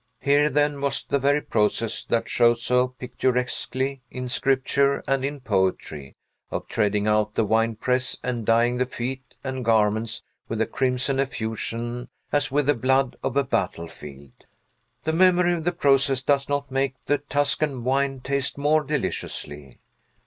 Here, then, was the very process that shows so picturesquely in Scripture and in poetry, of treading out the wine press and dyeing the feet and garments with the crimson effusion as with the blood of a battlefield. The memory of the process does not make the Tuscan wine taste more deliciously.